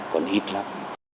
còn ít lắm